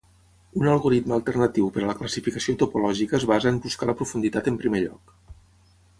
Un algoritme alternatiu per a la classificació topològica es basa en buscar la profunditat en primer lloc.